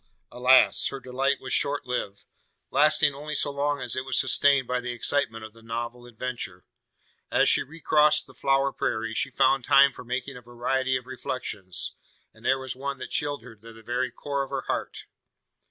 Alas! her delight was short lived: lasting only so long as it was sustained by the excitement of the novel adventure. As she recrossed the flower prairie, she found time for making a variety of reflections; and there was one that chilled her to the very core of her heart.